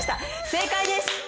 正解です！